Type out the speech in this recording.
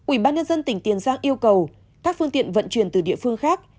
ubnd tỉnh tiền giang yêu cầu các phương tiện vận chuyển từ địa phương khác